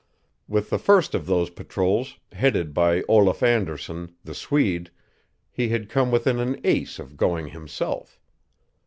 With the first of those patrols, headed by Olaf Anderson, the Swede, he had come within an ace of going himself.